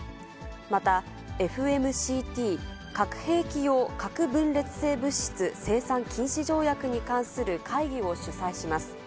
また、ＦＭＣＴ・核兵器用核分裂性物質生産禁止条約に関する会議を主催します。